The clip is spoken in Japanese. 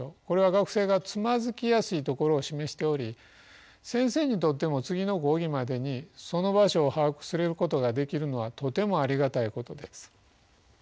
これは学生がつまずきやすいところを示しており先生にとっても次の講義までにその場所を把握することができるのはとてもありがたいことです。